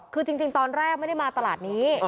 คือจริงตอนแรกไม่ได้มาตลาดนี้